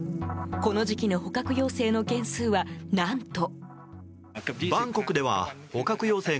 この時期の捕獲要請の件数は何と。